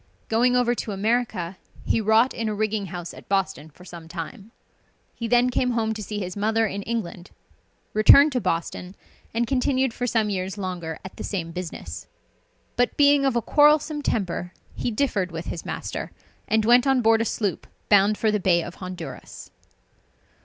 Going over to America, he wrought in a rigging house at Boston for some time. He then came home to see his mother in England, returned to Boston, and continued for some years longer at the same business. But being of a quarrelsome temper, he differed with his master, and went on board a sloop bound for the Bay of Honduras.